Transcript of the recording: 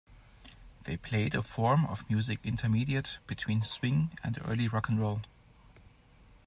They played a form of music intermediate between swing and early rock and roll.